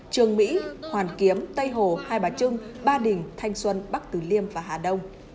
trường mỹ hoàn kiếm tây hồ hai bà trưng ba đình thanh xuân bắc tử liêm và hà đông